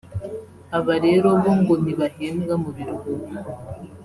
Aba rero bo ngo ntibahembwa mu biruhuko